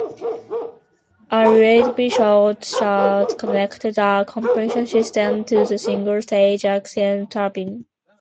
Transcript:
A relatively short shaft connected the compression system to the single stage axial turbine.